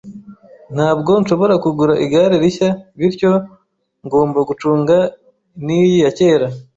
Ntabwo nshobora kugura igare rishya, bityo ngomba gucunga niyi ya kera